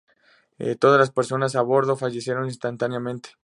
Todas las personas a bordo fallecieron instantáneamente.